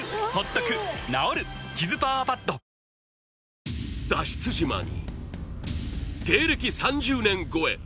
わかるぞ脱出島に芸歴３０年超え